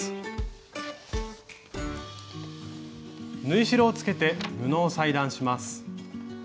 縫い代をつけて布を裁断します。